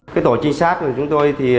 cái tổ trinh sát của chúng tôi